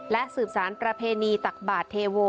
และสืบสารประเพณีตักบาทเทโว